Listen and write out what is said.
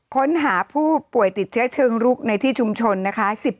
ค้นหาผู้ป่วยติดเชื้อเชิงรุกในที่ชุมชนนะคะ